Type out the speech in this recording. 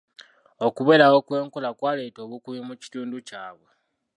Okubeerawo kw'enkula kwaleeta obukuumi mu kitundu kyabwe.